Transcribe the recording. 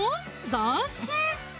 斬新！